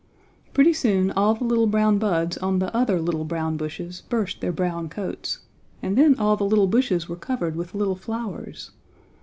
Pretty soon all the little brown buds on the other little brown bushes burst their brown coats, and then all the little bushes were covered with little flowers.